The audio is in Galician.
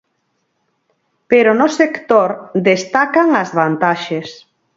Pero no sector, destacan as vantaxes.